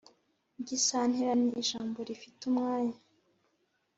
Igisantera ni ijambo rifite umwanya